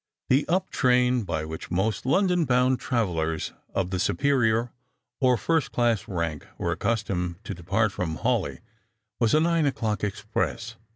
The up train by which most London bound travellers of the superior or first class rank were accustomed to depart from Hawleigh was a nine o'clock express.